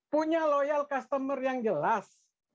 punya loyal customer yang jelas